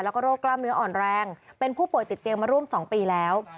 แล้วก็โรคกล้ามเนื้ออ่อนแรงเป็นผู้ป่วยติดเตียงมาร่วม๒ปีแล้ว